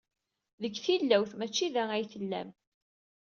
Deg tilawt, maci da ay tellam.